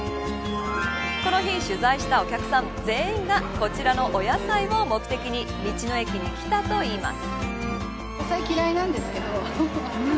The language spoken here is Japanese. この日取材したお客さん全員がこちらのお野菜を目的に道の駅に来たといいます。